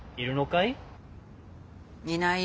いないよ。